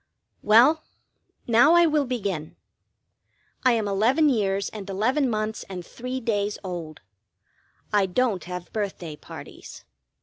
Well, now I will begin. I am eleven years and eleven months and three days old. I don't have birthday parties.